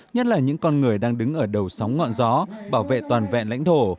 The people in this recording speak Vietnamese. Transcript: nhất là những con người đang đứng ở đầu sóng ngọn gió bảo vệ toàn vẹn lãnh thổ